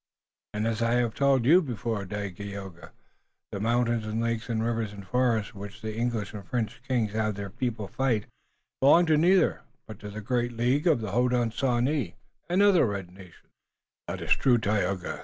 "And as I have told you before, Dagaeoga, the mountains and lakes and rivers and forests for which the English and French kings have their people fight, belong to neither, but to the great League of the Hodenosaunee and other red nations." "That's true, Tayoga.